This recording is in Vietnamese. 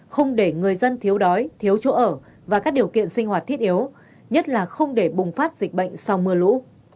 không để người dân thiếu đói thiếu chỗ ở và các điều kiện sinh hoạt thiết yếu nhất là không để bùng phát dịch bệnh sau mưa lũ